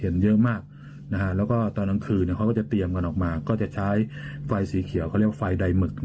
เยอะมากแล้วก็ตอนกลางคืนเขาก็จะเตรียมกันออกมาก็จะใช้ไฟสีเขียวเขาเรียกว่าไฟใดหมึก